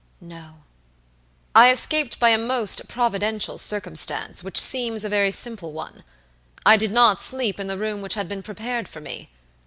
"No." "I escaped by a most providential circumstance which seems a very simple one. I did not sleep in the room which had been prepared for me.